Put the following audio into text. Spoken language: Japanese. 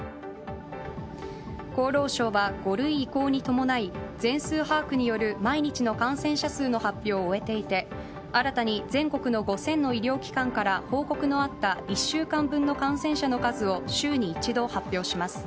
厚労省は５類移行に伴い全数把握による毎日の感染者数の発表を終えていて新たに全国の５０００の医療機関から報告のあった１週間分の感染者の数を週に一度発表します。